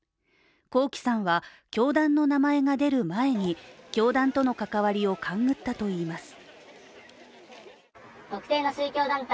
光樹さんは教団の名前が出る前に教団との関わりを勘ぐったといいます。